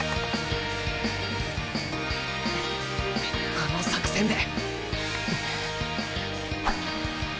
あの作戦で。